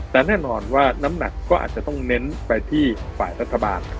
แต่แน่นอนว่าน้ำหนักก็อาจจะต้องเน้นไปที่ฝ่ายรัฐบาล